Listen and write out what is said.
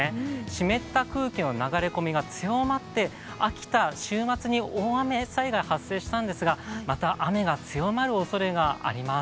湿った空気の流れ込みが強まって秋田、週末に大雨災害発生したんですがまた雨が強まるおそれがあります。